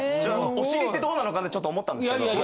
おしりってどうなのかってちょっと思ったんですけど。